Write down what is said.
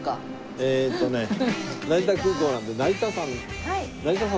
えっとね成田空港なので成田山。